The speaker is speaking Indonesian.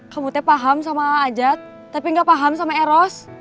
kamu tuh paham sama a'ajat tapi gak paham sama eros